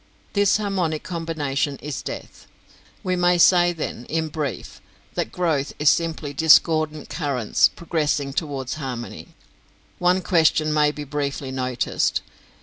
This harmonic combination is death. We may say then, in brief, that growth is simply discordant currents progressing towards harmony. One question may be briefly noticed.